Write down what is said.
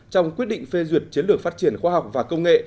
trong quyết định phê duyệt chiến lược phát triển khoa học và công nghệ